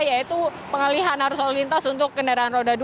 yaitu pengalihan arus lalu lintas untuk kendaraan roda dua